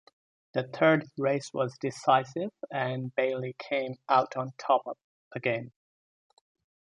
The third race was decisive and Bayley came out on top again.